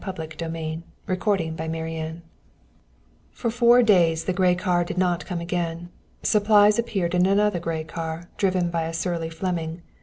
But he did not look back. XIV For four days the gray car did not come again. Supplies appeared in another gray car, driven by a surly Fleming.